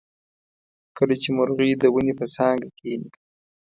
کله چې مرغۍ د ونې په څانګه کیني.